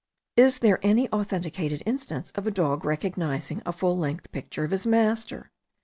Is there any authenticated instance of a dog having recognized a full length picture of his master?